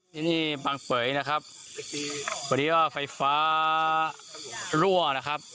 ที่นี่บางเป๋ยนะครับพอดีว่าไฟฟ้ารั่วนะครับ